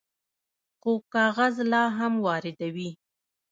خو کاغذ لا هم واردوي.